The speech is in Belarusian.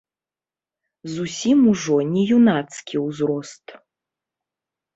Зусім ужо не юнацкі ўзрост.